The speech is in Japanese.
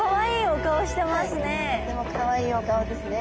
とってもかわいいお顔ですね。